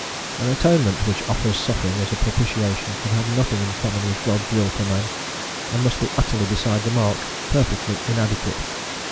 An Atonement which offers suffering as a propitiation can have nothing in common with God's will for man, and must be utterly beside the mark, perfectly inadequate.